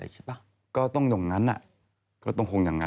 จะต้องอย่างนั้นอะ